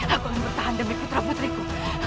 aku akan bertahan demi putra putriku